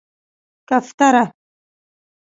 🕊 کفتره